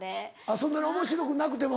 そんなにおもしろくなくても。